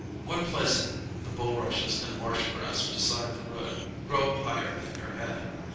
One place the bulrushes and marsh grass beside the road grow up higher than your head.